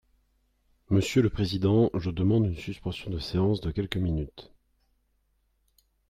Monsieur le président, je demande une suspension de séance de quelques minutes.